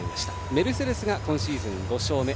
メルセデスが今シーズン５勝目。